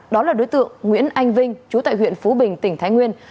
đó là đối tượng nguyễn anh vinh chú tại huyện phú bình tỉnh thái nguyên